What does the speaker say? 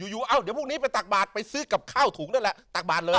อยู่เอ้าเดี๋ยวพวกนี้ไปตักบาทไปซื้อกับข้าวถุงด้วยแล้วตักบาทเลย